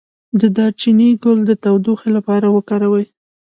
د دارچینی ګل د تودوخې لپاره وکاروئ